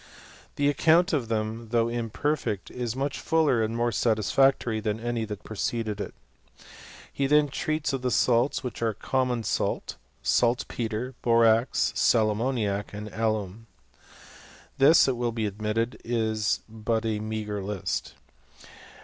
The account of them, though imperfect, is much fuller and more satisfactory than any that preceded it. He then treats of the salts, which are, common salt, salt petre, borax, sal ammoniac and alum. This it will be admitted is but a meagre list.